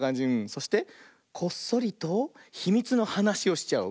そしてこっそりとひみつのはなしをしちゃおう。